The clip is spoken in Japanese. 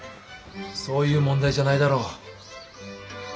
そういう問題じゃないだろう。